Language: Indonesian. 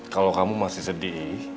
kalau kamu masih sedih